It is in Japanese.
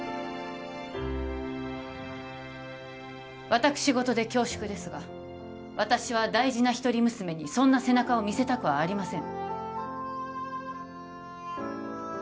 私事で恐縮ですが私は大事な一人娘にそんな背中を見せたくはありません